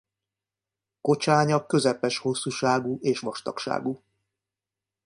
Kocsánya közepes hosszúságú és vastagságú.